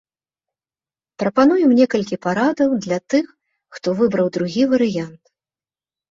Прапануем некалькі парадаў для тых, хто выбраў другі варыянт.